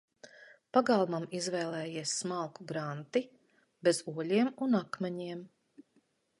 Pagalmam izvēlējies smalku granti, bez oļiem un akmeņiem.